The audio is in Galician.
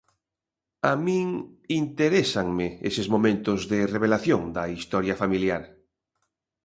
A min interésanme eses momentos de revelación da historia familiar.